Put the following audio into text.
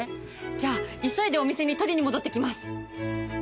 じゃあ急いでお店に取りに戻ってきます。